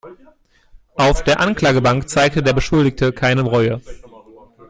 Auf der Anklagebank zeigte der Beschuldigte keine Reue.